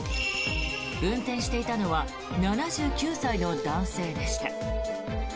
運転していたのは７９歳の男性でした。